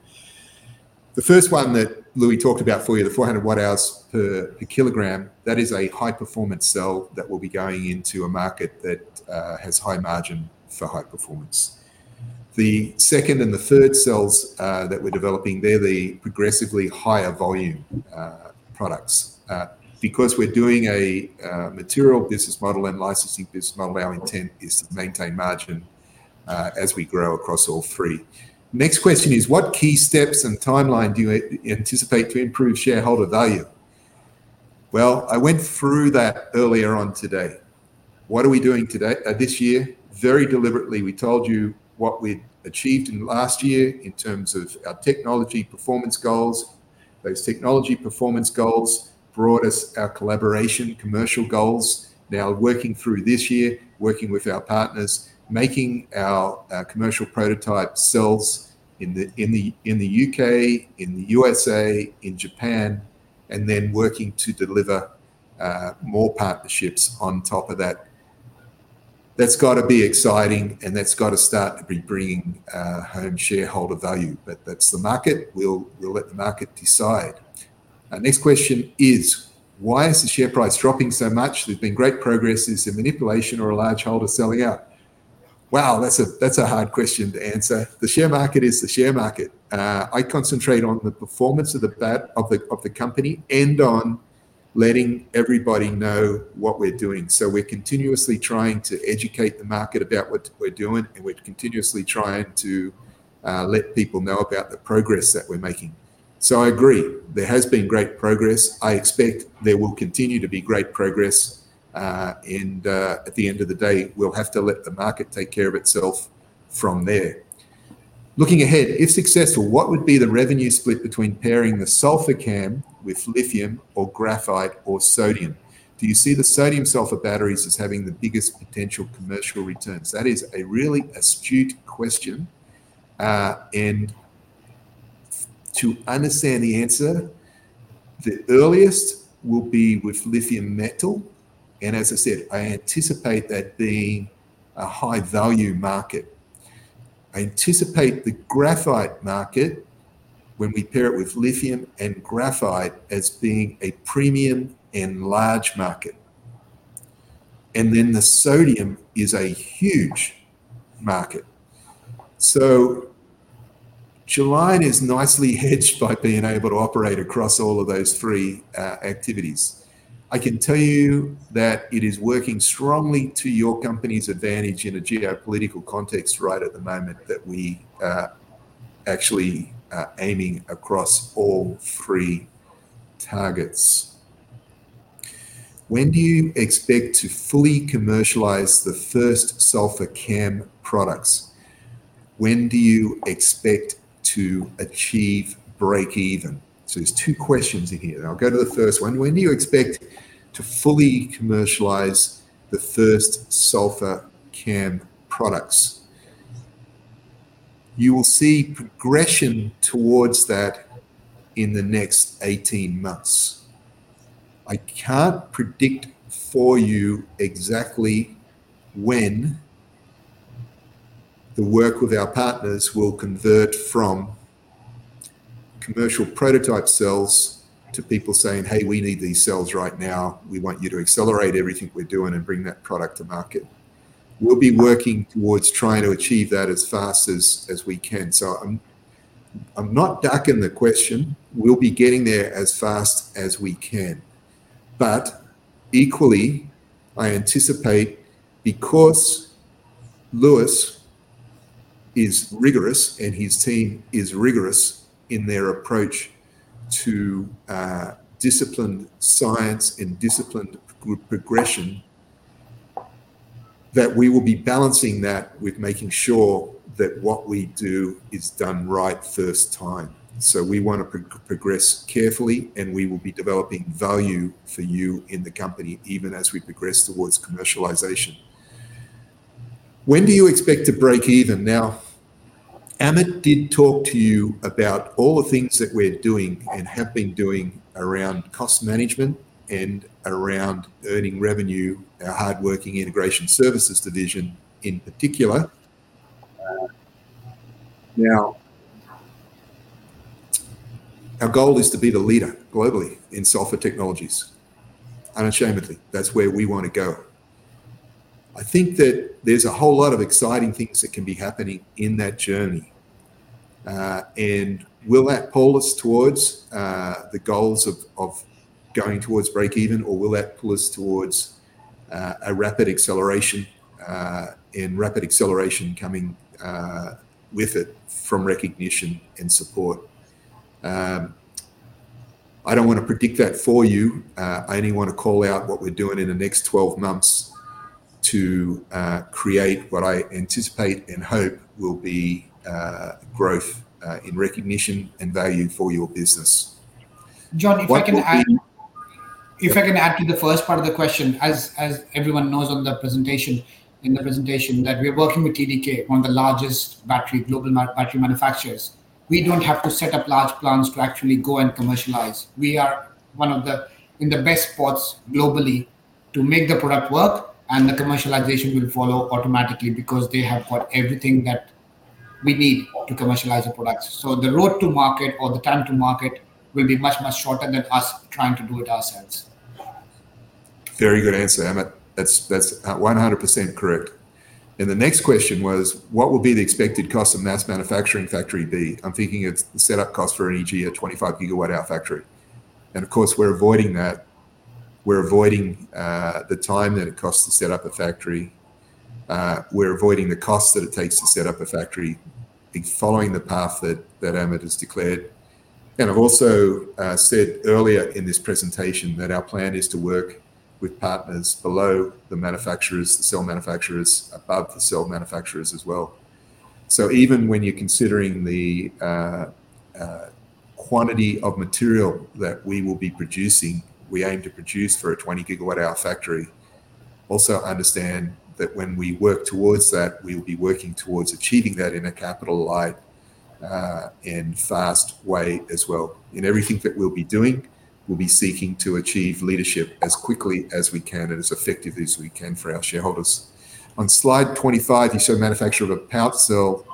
The first one that Louis talked about for you, the 400 watt-hours per kilogram, that is a High-Performance Cell that will be going into a market that has High Margin for High Performance. The second and the third cells that we're developing, they're the progressively Higher Volume Products. Because we're doing a Material Business Model and Licensing Business Model, our intent is to maintain Margin as we grow across all three. Next question is, what key steps and timeline do you anticipate to improve Shareholder Value? I went through that earlier on today. What are we doing this year? Very deliberately, we told you what we'd achieved in last year in terms of our Technology Performance Goals. Those technology performance goals brought us our Collaboration Commercial Goals. Now, working through this year, working with our partners, making our Commercial Prototype Cells in the U.K., in the U.S.A., in Japan, and then working to deliver more partnerships on top of that. That has got to be exciting, and that has got to start to be bringing home Shareholder Value. That is the market. We will let the market decide. Next question is, why is the share price dropping so much? There has been great progress. Is it manipulation or a large holder selling out? Wow, that is a hard question to answer. The share market is the share market. I concentrate on the performance of the company and on letting everybody know what we are doing. We are continuously trying to educate the market about what we are doing, and we are continuously trying to let people know about the progress that we are making. I agree. There has been great progress. I expect there will continue to be great progress. At the end of the day, we'll have to let the market take care of itself from there. Looking ahead, if successful, what would be the revenue split between pairing the Sulphur Cam with Lithium or Graphite or Sodium? Do you see the Sodium-Sulphur Batteries as having the Biggest Potential Commercial Returns? That is a really astute question. To understand the answer, the earliest will be with Lithium Metal. As I said, I anticipate that being a High-Value Market. I anticipate the Graphite Market when we pair it with Lithium and Graphite as being a Premium and Large Market. The Ssodium is a Huge Market. Gelion is nicely hedged by being able to operate across all of those three activities. I can tell you that it is working strongly to your company's advantage in a geopolitical context right at the moment that we are actually aiming across all three targets. When do you expect to Fully Commercialize the First Sulphur Cam Products? When do you expect to achieve break-even? There are two questions in here. I'll go to the first one. When do you expect to Fully Commercialize the First Sulphur Cam Products? You will see progression towards that in the next 18 months. I can't predict for you exactly when the work with our partners will convert from Commercial Pototype Cells to people saying, "Hey, we need these cells right now. We want you to accelerate everything we're doing and bring that product to market." We will be working towards trying to achieve that as fast as we can. I am not ducking the question. We'll be getting there as fast as we can. Equally, I anticipate because Louis is rigorous and his team is rigorous in their approach to Disciplined Science and Disciplined Progression, that we will be balancing that with making sure that what we do is done right first time. We want to progress carefully, and we will be developing value for you in the company even as we progress towards Commercialization. When do you expect to break-even? Amit did talk to you about all the things that we're doing and have been doing around Cost Management and around Earning Revenue, our Hardworking Integration Services Division in particular. Our goal is to be the Leader Globally in Sulphur Technologies. Unashamedly, that's where we want to go. I think that there's a whole lot of exciting things that can be happening in that journey. Will that pull us towards the goals of going towards break-even, or will that pull us towards a rapid acceleration and rapid acceleration coming with it from recognition and support? I do not want to predict that for you. I only want to call out what we are doing in the next 12 months to create what I anticipate and hope will be growth in recognition and value for your business. John, if I can add to the first part of the question, as everyone knows in the presentation, we are working with TDK, one of the Largest Global Battery Manufacturers. We do not have to set up Large Plants to actually go and Commercialize. We are in one of the Best Spots Globally to make the product work, and the Commercialization will follow automatically because they have got everything that we need to Commercialize the products. The road to market or the time to market will be much, much shorter than us trying to do it ourselves. Very good answer, Amit. That's 100% correct. The next question was, what will be the expected Cost of Mass Manufacturing Factory B? I'm thinking of the Setup Cost for an EG at a 25 Gigawatt-Hour Factory. Of course, we're avoiding that. We're avoiding the time that it Costs to Set Ip a Factory. We're avoiding the cost that it takes to set up a factory following the path that Amit has declared. I have also said earlier in this presentation that our plan is to work with partners below the manufacturers, the Cell Manufacturers, above the Cell Manufacturers as well. Even when you're considering the quantity of material that we will be producing, we aim to produce for a 20 Gigawatt-Hour Factory. Also understand that when we work towards that, we will be working towards achieving that in a capital-light and fast way as well. In everything that we'll be doing, we'll be seeking to achieve leadership as quickly as we can and as effectively as we can for our shareholders. On slide 25, you show manufacturer of a Power Cell.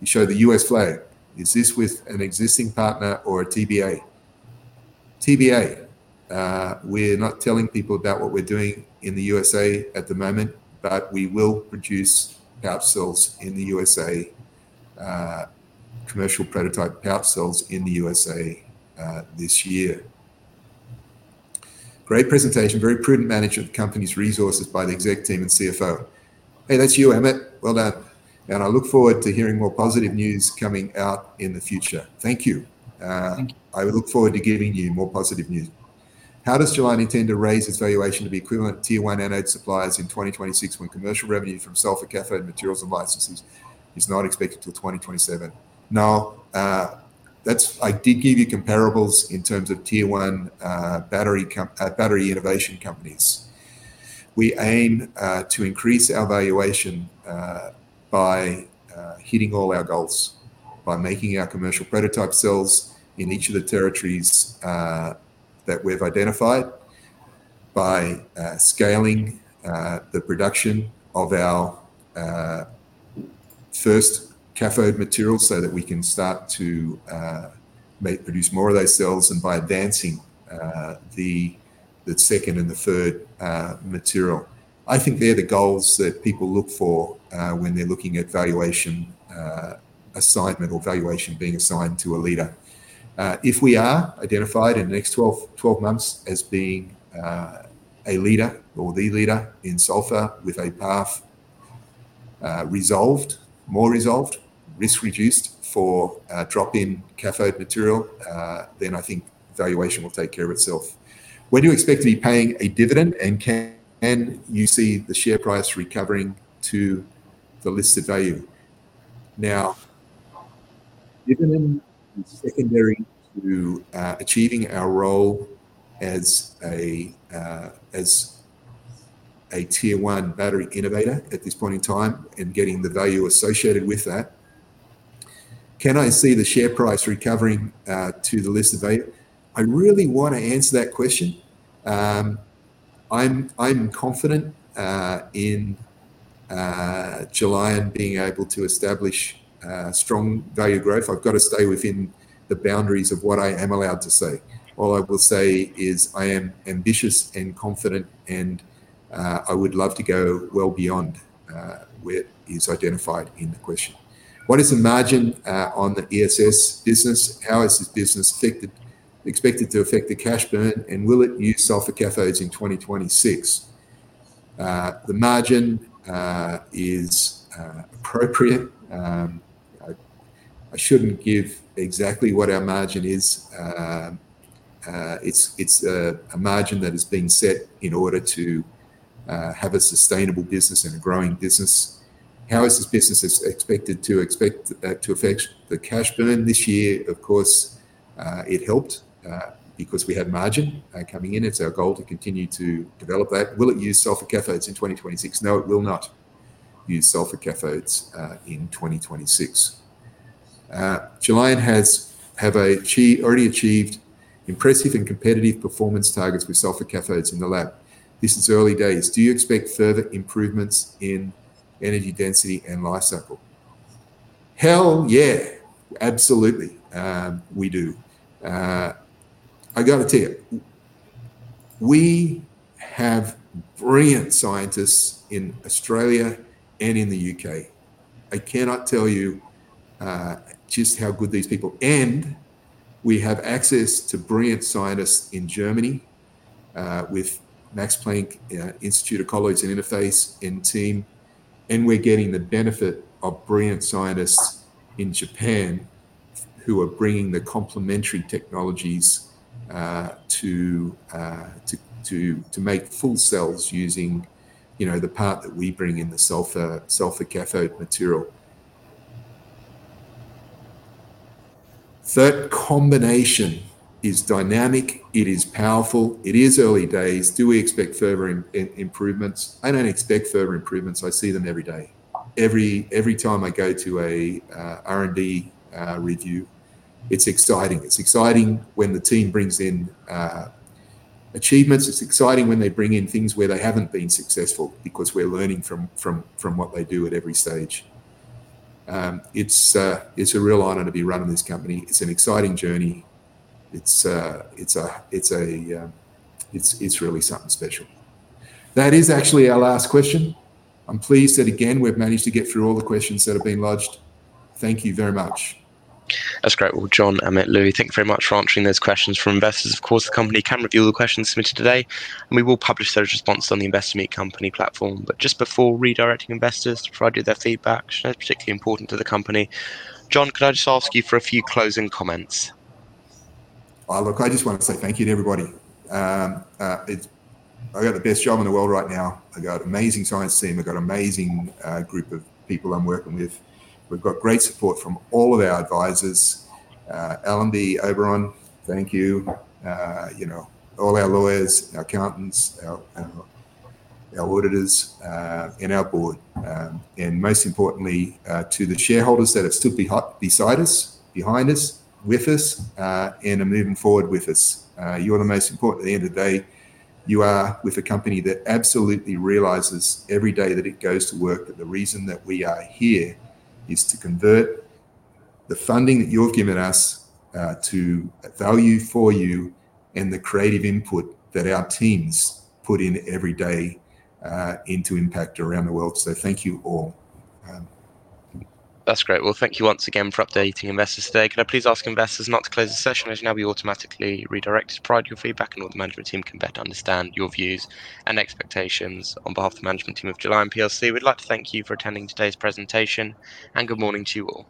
You show the U.S. flag. Is this with an existing partner or a TBA? TBA. We're not telling people about what we're doing in the U.S.A. at the moment, but we will produce Power Cells in the U.S.A., Commercial Prototype Power Cells in the U.S.A. this year. Great presentation. Very Prudent Management of the company's resources by the Exec Team and CFO. Hey, that's you, Amit. Well done. I look forward to hearing more positive news coming out in the future. Thank you. I would look forward to giving you more positive news. How does Gelion intend to raise its valuation to be equivalent to Tier 1 anode suppliers in 2026 when commercial revenue from Sulphur Cathode Materials and Licenses is not expected till 2027? No, I did give you comparables in terms of Tier 1 Battery Innovation Companies. We aim to increase our valuation by hitting all our goals, by making our Commercial Prototype Cells in each of the territories that we've identified, by scaling the production of our First Cathode Material so that we can start to produce more of those cells and by advancing the second and the third material. I think they're the goals that people look for when they're looking at valuation assignment or valuation being assigned to a leader. If we are identified in the next 12 months as being a Leader or the Leader in Sulphur with a path resolved, more resolved, risk-reduced for Drop-In Cathode Material, then I think valuation will take care of itself. When do you expect to be paying a dividend, and can you see the share price recovering to the listed value? Now, dividend is secondary to achieving our role as a Tier 1 battery innovator at this point in time and getting the value associated with that. Can I see the share price recovering to the listed value? I really want to answer that question. I'm confident in Julian being able to establish strong Value Growth. I've got to stay within the boundaries of what I am allowed to say. All I will say is I am ambitious and confident, and I would love to go well beyond what is identified in the question. What is the Margin on the ESS Business? How is this business expected to affect the cash burn? And will it use Sulphur Cathodes in 2026? The margin is appropriate. I should not give exactly what our margin is. It is a Margin that is being set in order to have a Sustainable Business and a Growing Business. How is this business expected to affect the Cash Burn this year? Of course, it helped because we had Margin coming in. It is our goal to continue to develop that. Will it use Sulphur Cathodes in 2026? No, it will not use Sulphur Cathodes in 2026. Julian has already achieved Impressive and Competitive Performance Targets with Sulphur Cathodes in the lab. This is early days. Do you expect further improvements in energy density and life cycle? Hell, yeah. Absolutely. We do. I got a tip. We have brilliant scientists in Australia and in the U.K. I cannot tell you just how good these people are. We have access to brilliant scientists in Germany with Max Planck Institute of Colloids and Interfaces and Team. We are getting the benefit of brilliant scientists in Japan who are bringing the Complementary Technologies to make Full Cells using the part that we bring in the Sulphur Cathode Material. That combination is Dynamic. It is powerful. It is early days. Do we expect further improvements? I do not expect further improvements. I see them every day. Every time I go to an R&D review, it is exciting. It is exciting when the team brings in achievements. It's exciting when they bring in things where they haven't been successful because we're learning from what they do at every stage. It's a real honor to be running this company. It's an exciting journey. It's really something special. That is actually our last question. I'm pleased that, again, we've managed to get through all the questions that have been lodged. Thank you very much. That's great. John, Amit, Louis, thank you very much for answering those questions. For investors, of course, the company can review the questions submitted today. We will publish those responses on the Investor Meet Company Platform. Just before redirecting investors to provide you with their feedback, it's particularly important to the company. John, could I just ask you for a few closing comments? Look, I just want to say thank you to everybody. I got the best job in the world right now. I got an amazing Science Team. I got an Amazing Group of People I'm working with. We've got great support from all of our advisors, Allen B. Oberon, thank you, all our Lawyers, our Accountants, our Auditors, and our Board. Most importantly, to the Shareholders that are still beside us, behind us, with us, and are moving forward with us. You are the most important at the end of the day. You are with a company that absolutely realizes every day that it goes to work that the reason that we are here is to convert the funding that you've given us to value for you and the creative input that our teams put in every day into impact around the world. Thank you all. That's great. Thank you once again for updating investors today. Can I please ask investors not to close the session as now we automatically redirect? It's pride in your feedback and all the Management Team can better understand your views and expectations. On behalf of the Management Team of Gelion, we'd like to thank you for attending today's Presentation. Good morning to you all.